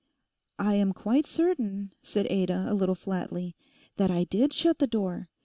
'I am quite certain,' said Ada a little flatly, 'that I did shut the door.